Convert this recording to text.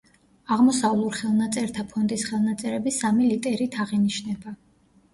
აღმოსავლურ ხელნაწერთა ფონდის ხელნაწერები სამი ლიტერით აღინიშნება.